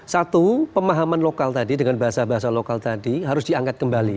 satu pemahaman lokal tadi dengan bahasa bahasa lokal tadi harus diangkat kembali